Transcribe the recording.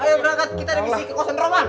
ayo berangkat kita ada misi ke kosan roman